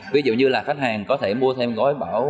ví dụ như là khách hàng có thể mua thêm gói bảo